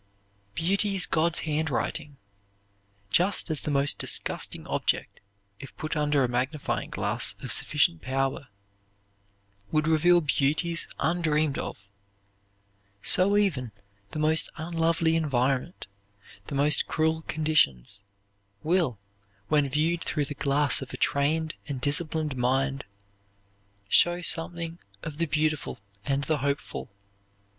Beauty is God's handwriting. Just as the most disgusting object, if put under a magnifying glass of sufficient power, would reveal beauties undreamed of, so even the most unlovely environment, the most cruel conditions, will, when viewed through the glass of a trained and disciplined mind, show something of the beautiful and the hopeful.